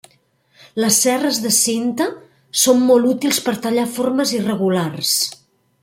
Les serres de cinta són molt útils per tallar formes irregulars.